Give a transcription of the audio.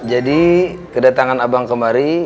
jadi kedatangan abang kemari